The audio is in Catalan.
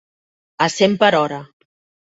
A cent per hora.